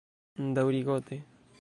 Daŭrigote